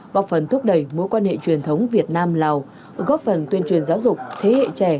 góp phần thúc đẩy mối quan hệ truyền thống việt nam lào góp phần tuyên truyền giáo dục thế hệ trẻ